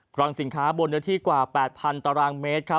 คลังสินค้าบนเนื้อที่กว่า๘๐๐ตารางเมตรครับ